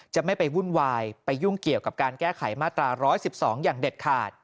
จะไม่ไปวุ่นวายไปยุ่งเกี่ยวกับการแก้ไขมาตรา๑๑๒อย่างเด็ดขาด